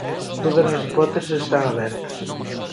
Todas as hipóteses están abertas.